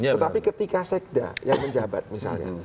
tetapi ketika sekda yang menjabat misalnya